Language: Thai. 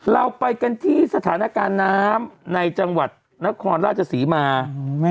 เราไปกันที่สถานการณ์น้ำในจังหวัดนครราชศรีมา